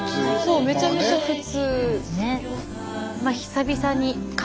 そうめちゃめちゃ普通。